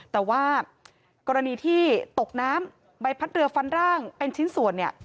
แต่ว่ากรณีที่ตกน้ำใบพัดเรือฟันร่างเป็นชิ้นส่วนเนี่ย